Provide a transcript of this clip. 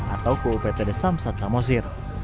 atau ke uptd samsat samosir